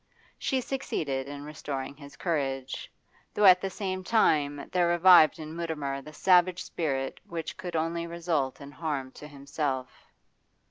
She succeeded in restoring his courage, though at the same time there revived in Mutimer the savage spirit which could only result in harm to himself.